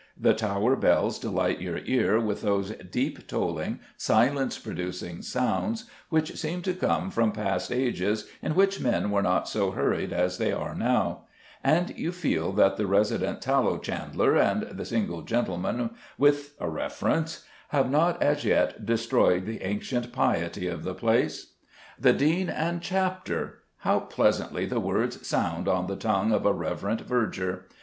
The tower bells delight your ear with those deep tolling, silence producing sounds which seem to come from past ages in which men were not so hurried as they are now; and you feel that the resident tallow chandler and the single gentleman with a reference have not as yet destroyed the ancient piety of the place. The dean and chapter! How pleasantly the words sound on the tongue of a reverent verger!